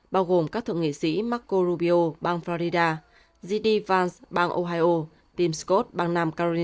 bao gồm các thượng nghị sĩ marco rubio gd vance tim scott